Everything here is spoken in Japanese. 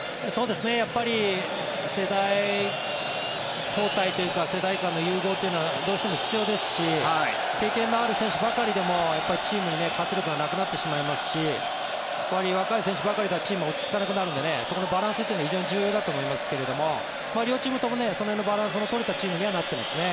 やっぱり世代交代というか世代間の融合というのがどうしても必要ですし経験のある選手ばかりでもチームに活力がなくなってしまいますし若い選手ばかりではチームは落ち着かなくなるのでそこのバランスは重要だと思いますけども両チームともその辺のバランスの取れたチームになっていますね。